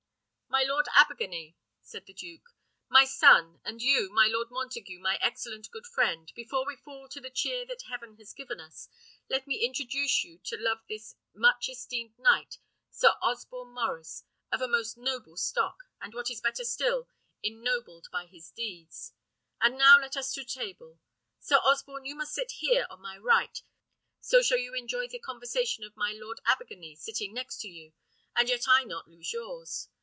"My Lord Abergany," said the duke, "my son, and you, my Lord Montague, my excellent good friend, before we fall to the cheer that heaven has given us, let me introduce to your love this much esteemed knight, Sir Osborne Maurice, of a most noble stock, and what is better still, ennobled by his deeds: and now let us to table. Sir Osborne, you must sit here on my right, so shall you enjoy the conversation of my Lord Abergany, sitting next to you, and yet I not lose yours.